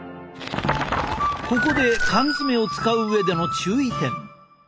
ここで缶詰を使う上での注意点。